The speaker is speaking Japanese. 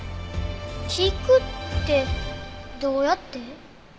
聞くってどうやって？